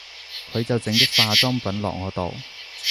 佢就整啲化妝品落我度